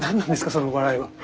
その笑いは。